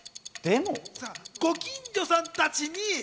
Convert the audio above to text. ご近所さんたちに。